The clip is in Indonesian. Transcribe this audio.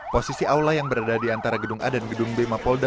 posisi aula yang berada di antara gedung a dan gedung b mapolda